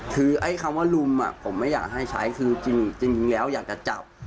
คือไอ้คำว่าลุมผมไม่อยากให้ใช้คือจริงแล้วอยากจะจับ